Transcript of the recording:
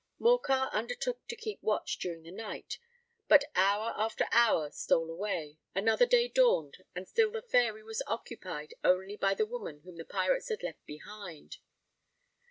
Morcar undertook to keep watch during the night; but hour after hour stole away,—another day dawned, and still the Fairy was occupied only by the woman whom the pirates had left behind.